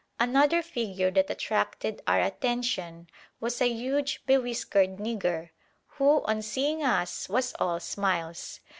Another figure that attracted our attention was a huge bewhiskered nigger, who on seeing us was all smiles.